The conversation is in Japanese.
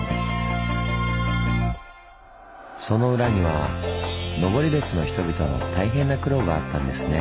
その裏には登別の人々の大変な苦労があったんですね。